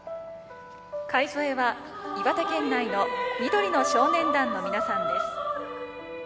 介添えは岩手県内の緑の少年団の皆さんです。